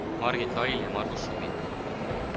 Margit Lail ja Margus suvi.